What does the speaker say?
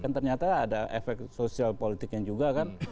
kan ternyata ada efek sosial politiknya juga kan